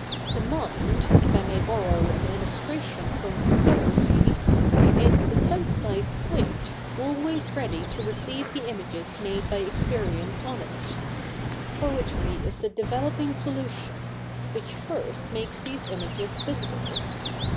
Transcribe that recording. The mind, if I may borrow an illustration from photography, is a sensitised plate, always ready to receive the images made by ex perience on it. Poetry is the developing solution, which first makes these images visible.